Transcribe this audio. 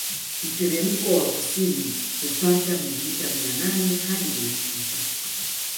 Mteremko wa kusini hupata milimita mia nane hadi mia tisa